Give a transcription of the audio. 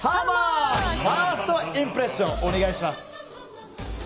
ファーストインプレッションお願いします。